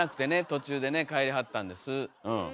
途中でね帰りはったんですうん。